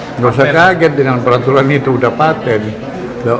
tidak usah kaget dengan peraturan itu sudah patent